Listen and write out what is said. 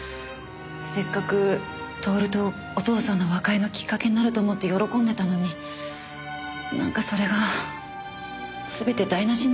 せっかく享とお父さんの和解のきっかけになると思って喜んでたのになんかそれが全て台無しになってしまいそうで。